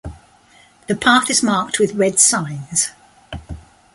The path is marked with red signs.